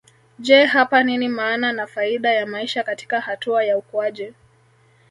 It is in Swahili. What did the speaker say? Je hapa nini maana na faida ya maisha katika hatua ya ukuaji